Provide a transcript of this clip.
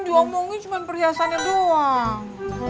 diomongin cuma perhiasannya doang